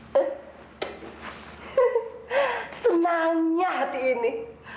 aku sudah senang